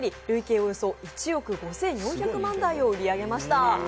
およそ１億５４００万台を売り上げました。